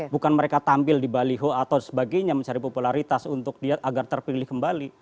bukan mereka tampil di baliho atau sebagainya mencari popularitas untuk dia agar terpilih kembali